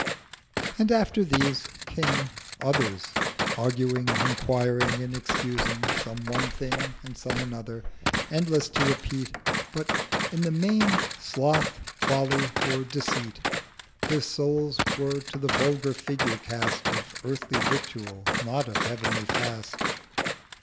And after these came others—arguing, Enquiring and excusing—some one Thing, And some another—endless to repeat, 540 But, in the Main, Sloth, Folly, or Deceit. Their Souls were to the vulgar Figure cast Of earthly Victual not of Heavenly Fast.